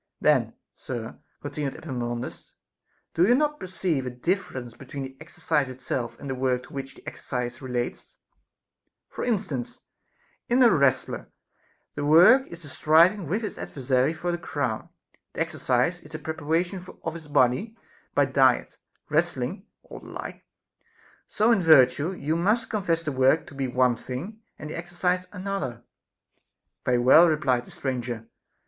Then, sir, continued Epaminondas, do you not perceive a differ ence between the exercise itself and the work to which the exercise relates \ For instance, in a wrestler, the work is the striving with his adversary for the crown, the exercise is the preparation of his body by diet, wrestling, or the like. So in virtue, you must confess the work to be one thing and the exercise another. Very well, replied the stranger.